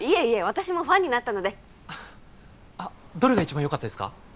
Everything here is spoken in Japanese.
私もファンになったのであどれが一番よかったですか？